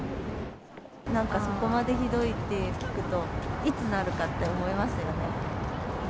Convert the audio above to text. なんかそこまでひどいって聞くと、いつなるかって思いますよね。